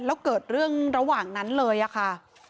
แล้วเกิดเรื่องระหว่างนั้นเลยอะค่ะ